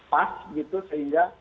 pas gitu sehingga